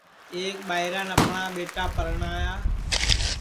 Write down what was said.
ایک ٻائران اپڻْا ٻیٹا پرڻْايا